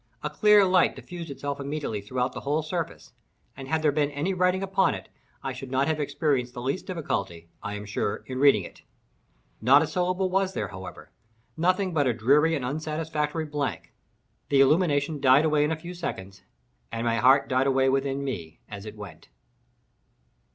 A clear light diffused itself immediately throughout the whole surface; and had there been any writing upon it, I should not have experienced the least difficulty, I am sure, in reading it. Not a syllable was there, however—nothing but a dreary and unsatisfactory blank; the illumination died away in a few seconds, and my heart died away within me as it went.